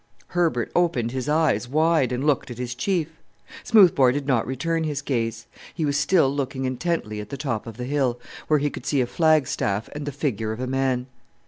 Herbert opened his eyes wide, and looked at his chief. Smoothbore did not return his gaze; he was still looking intently at the top of the hill, where he could see a flag staff and the figure of a man.